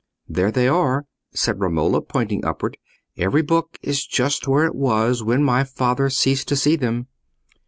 "There they are," said Romola, pointing upward; "every book is just where it was when my father ceased to see them."